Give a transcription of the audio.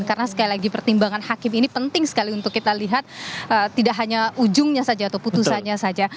karena sekali lagi pertimbangan hakim ini penting sekali untuk kita lihat tidak hanya ujungnya saja atau putusannya saja